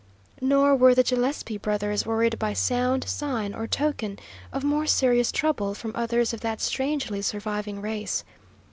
Nor were the Gillespie brothers worried by sound, sign, or token of more serious trouble from others of that strangely surviving race.